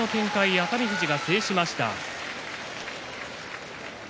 熱海富士が制しました。